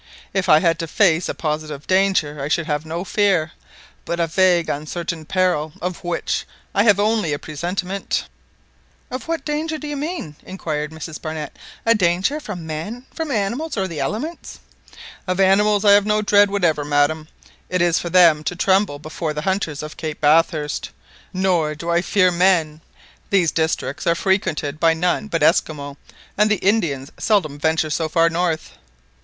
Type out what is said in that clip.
If I had to face a positive danger, I should have no fear; but a vague uncertain peril of which I have only a presentiment " "What danger do you mean?" inquired Mrs Barnett; "a danger from men, from animals, or the elements?" "Of animals I have no dread whatever, madam; it is for them to tremble before the hunters of Cape Bathurst, nor do I fear men; these districts are frequented by none but Esquimaux, and the Indians seldom venture so far north."